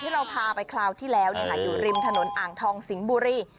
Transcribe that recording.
เราพาไปคราวที่แล้วอยู่ริมถนนอ่างทองสิงห์บุรี